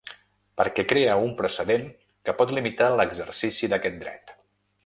Perquè crea un precedent que pot limitar l’exercici d’aquest dret.